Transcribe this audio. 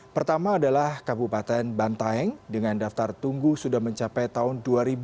pertama adalah kabupaten bantaeng dengan daftar tunggu sudah mencapai tahun dua ribu dua puluh